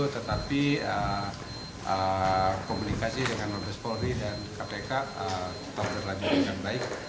tetapi komunikasi dengan novel polri dan kpk kita berlajukan dengan baik